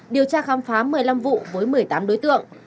điều tra khám phá một mươi năm vụ với một mươi tám đối tượng